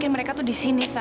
pembeli lalui omega